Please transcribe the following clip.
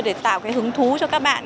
để tạo hứng thú cho các bạn